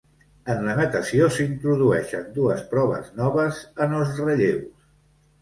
En la natació s'introdueixen dues proves noves en els relleus.